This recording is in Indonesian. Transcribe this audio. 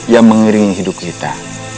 yang mengeringi hidup kita